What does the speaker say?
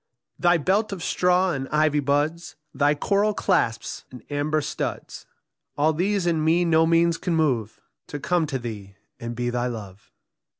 Thy belt of straw and ivy buds, Thy coral clasps and amber studs, All these in me no means can move To come to thee and be thy love.